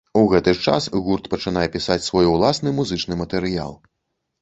У гэты ж час гурт пачынае пісаць свой уласны музычны матэрыял.